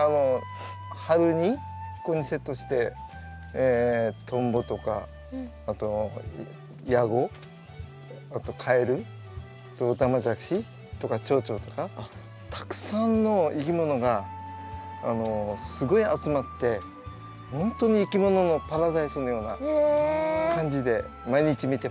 春にここにセットしてトンボとかあとヤゴあとカエルオタマジャクシとかチョウチョとかたくさんのいきものがすごい集まってほんとにいきもののパラダイスのような感じで毎日見てます。